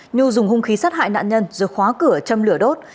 nhu dùng hung khí sát hại nạn nhân rồi khóa cửa châm lửa đốt